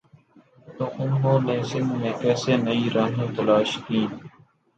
تو انہوں نے سندھ میں کیسے نئی راہیں تلاش کیں۔